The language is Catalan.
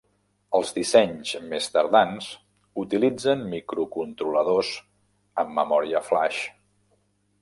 Els dissenys més tardans utilitzen microcontroladors amb memòria flaix.